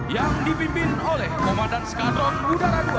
yang dipimpin oleh komandan skadron udara dua